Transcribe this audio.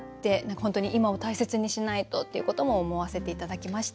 本当に今を大切にしないとっていうことも思わせて頂きました。